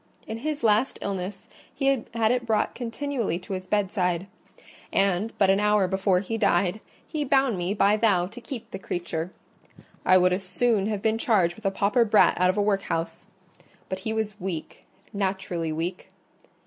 In his last illness, he had it brought continually to his bedside; and but an hour before he died, he bound me by vow to keep the creature. I would as soon have been charged with a pauper brat out of a workhouse: but he was weak, naturally weak.